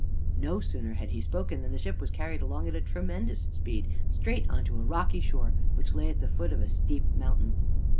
"No sooner had he spoken than the ship was carried along at a tremendous speed straight on to a rocky shore which lay at the foot of a steep mountain.